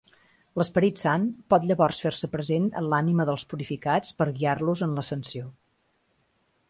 L'Esperit Sant pot llavors fer-se present en l'ànima dels purificats per a guiar-los en l'ascensió.